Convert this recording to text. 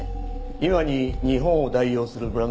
今に日本を代表するブランドになる。